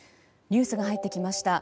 ニュースが入ってきました。